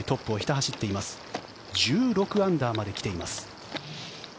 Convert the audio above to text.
１６アンダーまで来ています。